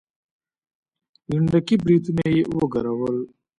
لنډکي برېتونه يې وګرول.